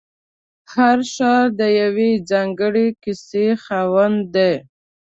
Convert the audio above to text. هر ښار د یوې ځانګړې کیسې خاوند دی.